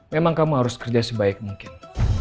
memang kamu harus kerja sebaik mungkin